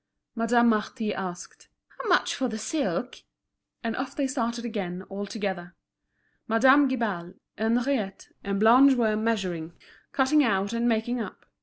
Madame Marty asked: "How much for the silk?" And off they started again, all together. Madame Guibal, Henriette, and Blanche were measuring, cutting out, and making up.